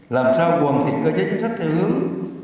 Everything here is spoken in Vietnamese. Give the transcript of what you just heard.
làm sao hoàn thiện cơ chế chính sách theo hướng